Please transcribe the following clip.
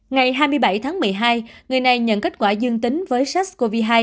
ngày hai mươi bảy tháng một mươi hai người này nhận kết quả dương tính với sars cov hai